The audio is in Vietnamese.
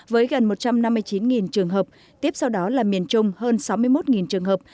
với gần một trăm năm mươi chín trường hợp tiếp sau đó là miền trung hơn sáu mươi một trường hợp